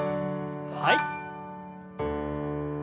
はい。